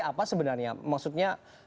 apa sebenarnya maksudnya